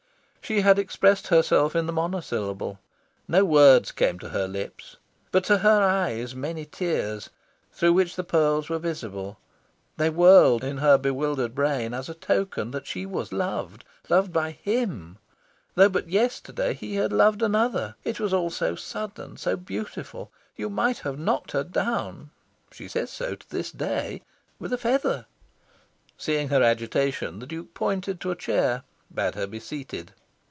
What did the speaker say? She had expressed herself in the monosyllable. No words came to her lips, but to her eyes many tears, through which the pearls were visible. They whirled in her bewildered brain as a token that she was loved loved by HIM, though but yesterday he had loved another. It was all so sudden, so beautiful. You might have knocked her down (she says so to this day) with a feather. Seeing her agitation, the Duke pointed to a chair, bade her be seated.